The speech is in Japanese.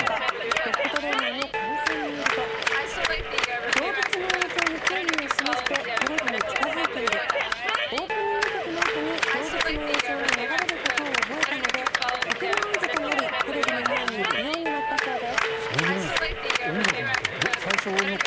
ドッグトレーナーの鹿野さんによると動物の映像に興味を示してテレビに近付いているオープニング曲のあとに動物の映像が流れることを覚えたので曲が合図となり、テレビの前に行くようになったそうです。